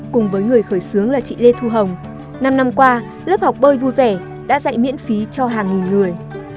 cùng với người khởi xướng là chị lê thu hồng năm năm qua lớp học bơi vui vẻ đã dạy miễn phí cho hàng nghìn người